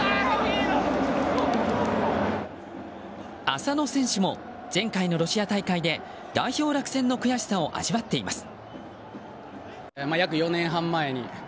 浅野選手も前回のロシア大会で代表落選の悔しさを味わっています。